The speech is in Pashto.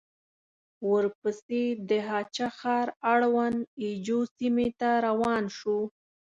ورپسې د هه چه ښار اړوند اي جو سيمې ته روان شوو.